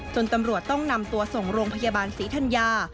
ตำรวจต้องนำตัวส่งโรงพยาบาลศรีธัญญา